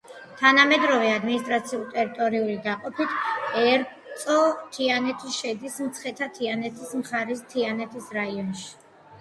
თანამედროვე ადმინისტრაციულ-ტერიტორიული დაყოფით ერწო-თიანეთი შედის მცხეთა-მთიანეთის მხარის თიანეთის რაიონში.